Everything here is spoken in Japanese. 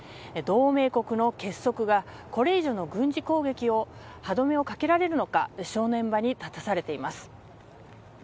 同盟国の結束がこれ以上の軍事攻撃を歯止めをかけられるのか正念場に立たされています。